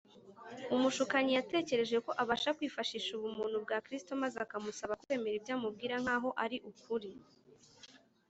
Umushukanyi yatekereje ko abasha kwifashisha ubumuntu bwa Kristo, maze akamusaba kwemera ibyo amubwira nkaho ari ukuri.